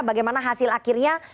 bagaimana hasil akhirnya